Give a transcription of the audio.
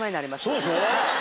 そうでしょ？